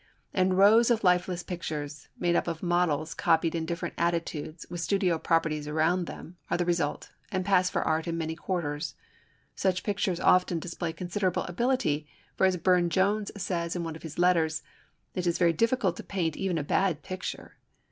And rows of lifeless pictures, made up of models copied in different attitudes, with studio properties around them, are the result, and pass for art in many quarters. Such pictures often display considerable ability, for as Burne Jones says in one of his letters, "It is very difficult to paint even a bad picture."